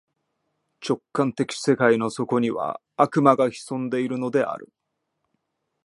直観的世界の底には、悪魔が潜んでいるのである。